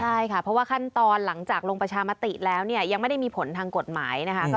ใช่ค่ะเพราะว่าขั้นตอนหลังจากลงประชามติแล้วเนี่ยยังไม่ได้มีผลทางกฎหมายนะคะ